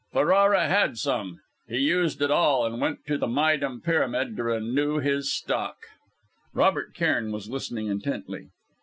Ferrara had some. He used it all and went to the Méydûm pyramid to renew his stock." Robert Cairn was listening intently.